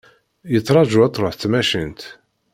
Yettraju ad truḥ tmacint.